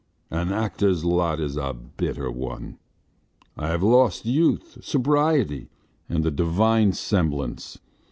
... An actor's lot is a bitter one! I have lost youth, sobriety, and the divine semblance.